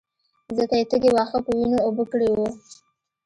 ځکه يې تږي واښه په وينو اوبه کړي وو.